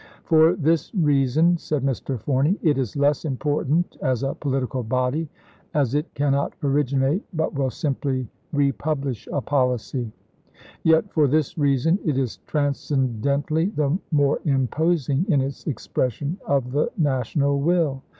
" For this reason," said Mr. Forney, " it is less important as a political body, as it cannot originate but will simply repub lish a policy. Yet for this reason it is transcen dently the more imposing in its expression of the national will.